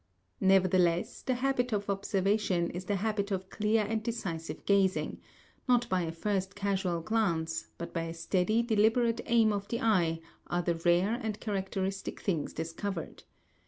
Nevertheless, the habit of observation is the habit of clear and decisive gazing; not by a first casual glance, but by a steady, deliberate aim of the eye are the rare and characteristic things discovered.